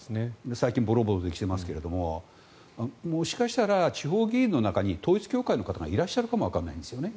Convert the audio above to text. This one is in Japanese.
最近ボロボロ出てきていますがもしかしたら地方議員の中に統一教会の方がいらっしゃるかもわからないんですよね。